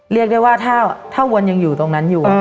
เรียกได้ว่าถ้าวนยังอยู่ตรงนั้นอยู่